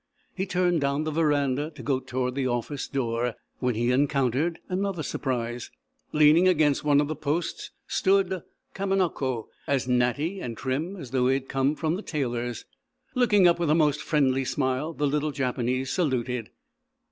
He turned down the veranda to go toward the office door, when he encountered another surprise. Leaning against one of the posts stood Kamanako, as natty and trim as though he had come from the tailor's. Looking up with a most friendly smile, the little Japanese saluted.